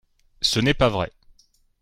Ce n’est pas vrai